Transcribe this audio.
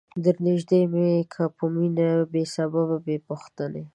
در نیژدې می که په مینه بې سببه بې پوښتنی